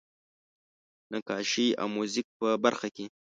نقاشۍ او موزیک په برخه کې.